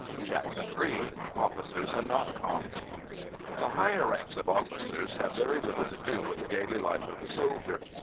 CHAPTER III OFFICERS AND NON COMS. The higher ranks of officers have very little to do with the daily life of the soldier.